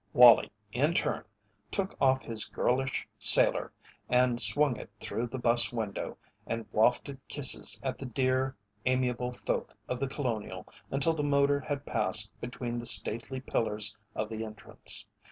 Wallie, in turn, took off his girlish sailor and swung it through the bus window and wafted kisses at the dear, amiable folk of The Colonial until the motor had passed between the stately pillars of the entrance.